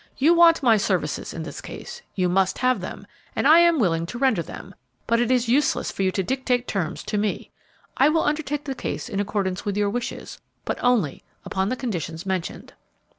You want my services in this case; you must have them; and I am willing to render them; but it is useless for you to dictate terms to me. I will undertake the case in accordance with your wishes, but only upon the conditions mentioned."